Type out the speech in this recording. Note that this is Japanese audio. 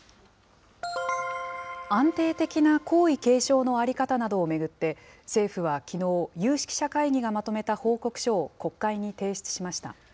安定的な皇位継承の在り方などを巡って、政府はきのう、有識者会議がまとめた報告書を国会に提出しました。